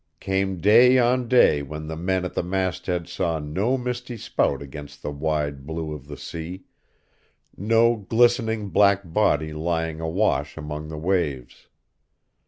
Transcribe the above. Came day on day when the men at the masthead saw no misty spout against the wide blue of the sea, no glistening black body lying awash among the waves.